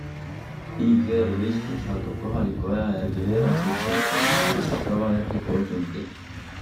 Big Air võistlus algab kohaliku aja järgi veerand seitse õhtul ning kestab kava järgi pool tundi.